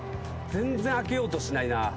全然開けようとしないな。